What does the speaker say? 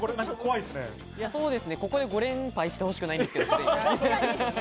ここで５連敗してほしくないですよね。